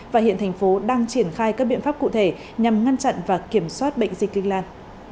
và hiện tp hcm đang triển khai các biện pháp cụ thể nhằm ngăn chặn và kiểm soát bệnh dịch linh lan